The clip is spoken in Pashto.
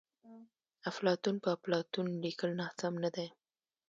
افلاطون په اپلاتون لیکل ناسم ندي.